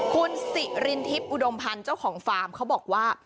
คุณสิรินทิพย์อุดมพันธ์เจ้าของฟาร์มเขาบอกว่า